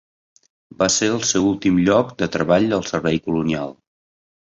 Va ser el seu últim lloc de treball al Servei Colonial.